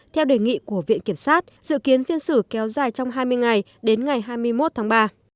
theo đề nghị của viện kiểm sát dự kiến phiên xử kéo dài trong hai mươi ngày đến ngày hai mươi một tháng ba